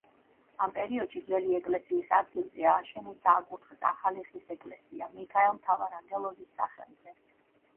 ამ პერიოდში ძველი ეკლესიის ადგილზე ააშენეს და აკურთხეს ახალი ხის ეკლესია მიქაელ მთავარანგელოზის სახელზე.